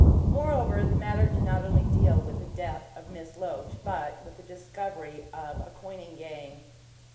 Moreover, the matter did not only deal with the death of Miss Loach, but with the discovery of a coining gang.